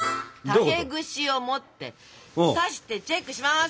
竹串を持って刺してチェックします。